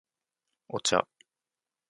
お茶